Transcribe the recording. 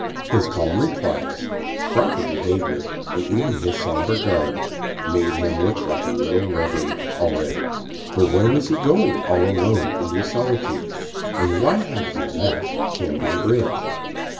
His calm replies, proper behavior, and even his somber garb made him look like a little reverend already. But where was he going all alone in these solitudes and why had he left Camden Bridge?